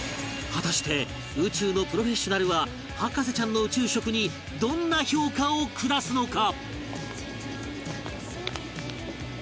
果たして宇宙のプロフェッショナルは博士ちゃんの宇宙食にどんな評価を下すのか？